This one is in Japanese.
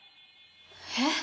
えっ？